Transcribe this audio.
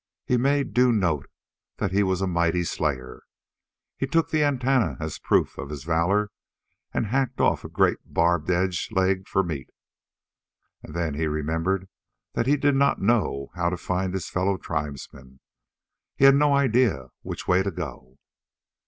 He made due note that he was a mighty slayer. He took the antennae as proof of his valor and hacked off a great barb edged leg for meat. And then he remembered that he did not know how to find his fellow tribesmen. He had no idea which way to go.